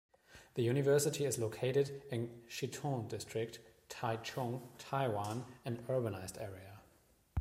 The university is located in Xitun District, Taichung, Taiwan, an urbanized area.